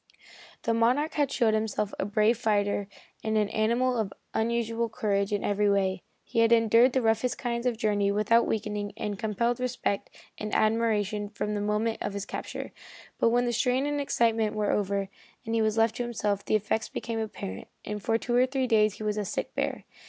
The Monarch had shown himself a brave fighter and an animal of unusual courage in every way. He had endured the roughest kind of a journey without weakening, and compelled respect and admiration from the moment of his capture. But when the strain and excitement were over, and he was left to himself, the effects became apparent, and for two or three days he was a sick bear.